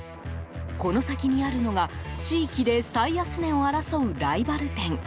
この先にあるのが地域で最安値を争うライバル店。